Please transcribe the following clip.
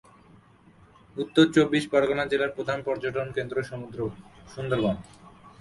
উত্তর চব্বিশ পরগনা জেলার প্রধান পর্যটন কেন্দ্র সুন্দরবন।